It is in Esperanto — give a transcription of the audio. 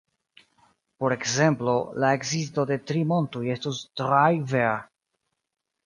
Por ekzemplo, la ekzisto de tri montoj estus Drei-Berg-.